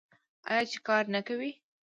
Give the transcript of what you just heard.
آیا چې کار نه کوي؟